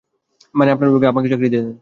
মানে আপনার বিভাগে, আমাকে চাকরি দিয়া দেন।